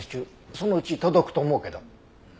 そのうち届くと思うけど。